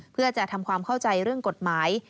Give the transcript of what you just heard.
เพื่อจะทำความเข้าใจเรื่องกฎหมาย